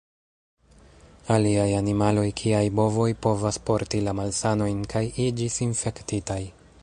Aliaj animaloj kiaj bovoj povas porti la malsanojn kaj iĝis infektitaj.